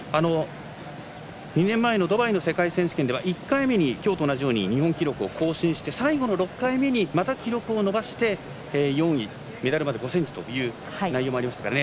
２年前のドバイの世界選手権では１回目に今日と同じように日本記録を更新して最後の６回目にまた記録を伸ばして４位メダルまで５ｃｍという内容もありましたからね。